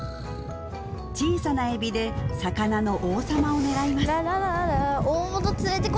小さなエビで魚の王様を狙います